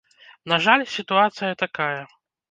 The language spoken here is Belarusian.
На жаль, сітуацыя такая.